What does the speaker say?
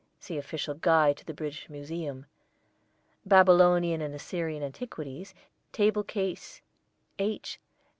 See official guide to the British Museum. Babylonian and Assyrian antiquities, table case H.